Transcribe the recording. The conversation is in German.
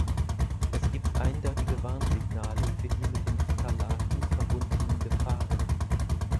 Es gibt eindeutige Warnsignale für die mit den Phthalaten verbundenen Gefahren.